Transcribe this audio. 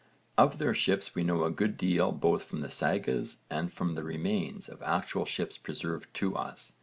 Of their ships we know a good deal both from the sagas and from the remains of actual ships preserved to us.